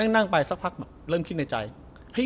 นั่งไปสักพักเริ่มคิดในใจ